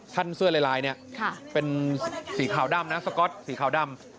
เสื้อลายเนี่ยเป็นสีขาวดำนะสก๊อตสีขาวดำ